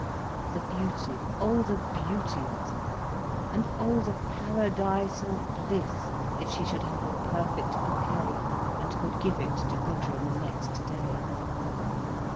The beauty, oh the beauty of them, and oh the paradisal bliss, if she should have a perfect bouquet and could give it to Gudrun the next day.